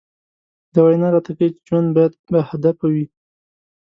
دا وينا راته ښيي چې ژوند بايد باهدفه وي.